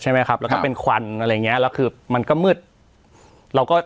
ใช่ไหมครับแล้วก็เป็นควันอะไรอย่างเงี้ยแล้วคือมันก็มืดเราก็